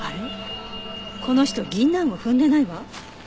この人銀杏を踏んでないわ。